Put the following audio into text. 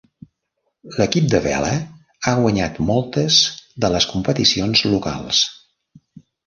L'equip de vela ha guanyat moltes de les competicions locals.